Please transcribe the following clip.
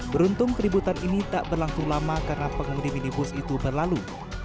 beruntung keributan ini tak berlangsung lama karena pengemudi minibus itu berlalu